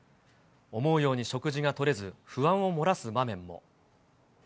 思うように食事がとれず、不安を漏らす場面も。